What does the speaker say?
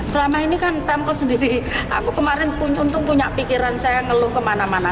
selama ini kan pemkot sendiri aku kemarin untung punya pikiran saya ngeluh kemana mana